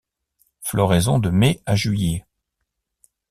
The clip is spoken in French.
Floraison de mai à juillet.